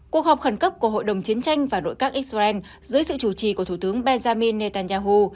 cuộc họp khẩn cấp của hội đồng chiến tranh và nội các israel dưới sự chủ trì của thủ tướng benjamin netanyahu